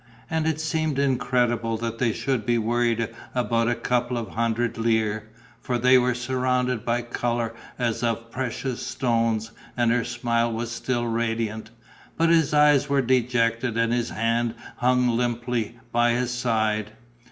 And it seemed incredible that they should be worried about a couple of hundred lire, for they were surrounded by colour as of precious stones and her smile was still radiant. But his eyes were dejected and his hand hung limply by his side.